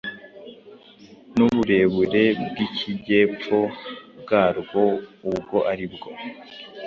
n’uburebure bw’ikijyepfo bwarwo ubwo ari bwo,